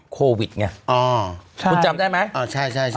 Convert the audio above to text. โควิดไงคุณจำได้ไหม